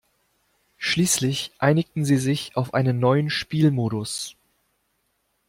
Schließlich einigten sie sich auf einen neuen Spielmodus.